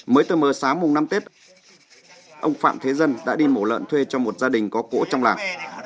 mới từ mờ sáng mùng năm tết ông phạm thế dân đã đi mổ lợn thuê cho một gia đình có cỗ trong làng